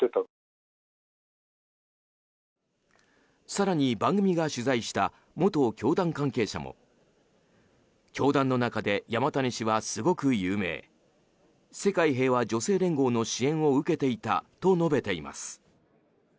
更に番組が取材した元教団関係者も教団の中で山谷氏はすごく有名世界平和女性連合の支援を受けていたと述べています。